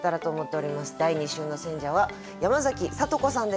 第２週の選者は山崎聡子さんです。